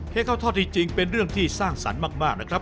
ข้าวทอดที่จริงเป็นเรื่องที่สร้างสรรค์มากนะครับ